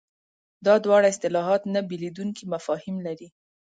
دا دواړه اصطلاحات نه بېلېدونکي مفاهیم لري.